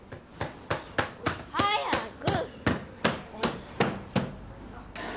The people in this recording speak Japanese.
早く。